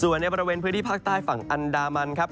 ส่วนในบริเวณพื้นที่ภาคใต้ฝั่งอันดามันครับ